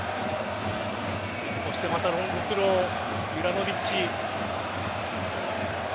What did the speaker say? そしてまたロングスローユラノヴィッチ。